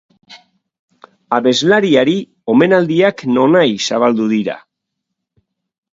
Abeslariari omenaldiak nonahi zabaldu dira.